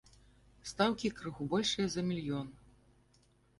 Стаўкі крыху большыя за мільён.